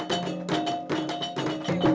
bagi kaum lelaki